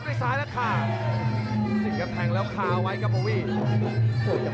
พาท่านผู้ชมกลับติดตามความมันกันต่อครับ